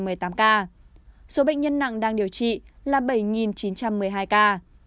nhân nặng đang điều trị là bảy chín trăm một mươi hai ca